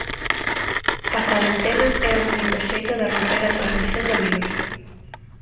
A corentena é o único xeito de romper a transmisión do virus.